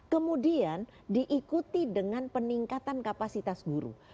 kemudian diikuti dengan peningkatan kapasitas guru